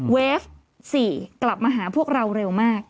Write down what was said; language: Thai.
เวฟ๔กลับมาหาพวกเราเร็วมาก